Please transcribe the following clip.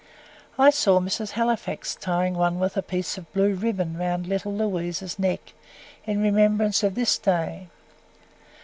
I saw Mrs. Halifax tying one with a piece of blue ribbon round little Louise's neck, in remembrance of this day.